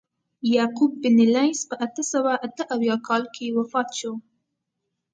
یعقوب بن لیث په اته سوه اته اویا کال کې وفات شو.